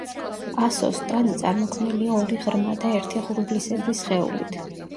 ასოს ტანი წარმოქმნილია ორი ღრმა და ერთი ღრუბლისებრი სხეულით.